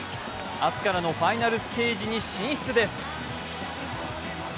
明日からのファイナルステージに進出です。